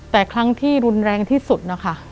แต่ครั้งที่รุนแรงที่สุดนะคะ